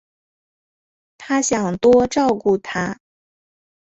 她想多照顾她